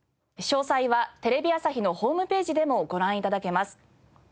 詳細はテレビ朝日のホームページでもご覧頂けます。